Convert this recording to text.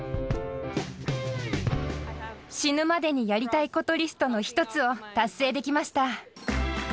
死ぬまでにやりたいことリストの１つを達成できました。